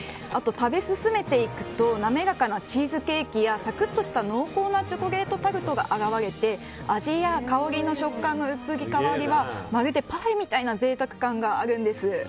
食べ進めていくと滑らかなチーズケーキやサクッとした濃厚なチョコレートタルトが現れて、味や香りの食感の移り変わりはまるでパフェみたいな贅沢感があるんです。